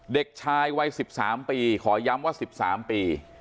เด็กชายวัยสิบสามปีขอย้ำว่าสิบสามปี